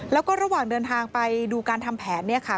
แล้วก็ระหว่างเดินทางไปดูการทำแผนเนี่ยค่ะ